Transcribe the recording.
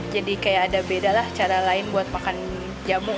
jadi kayak ada bedalah cara lain buat makan jamu